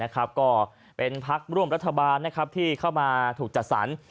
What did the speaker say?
ก็เป็นพักร่วมรัฐบาลที่เข้ามาถูกจัดสรร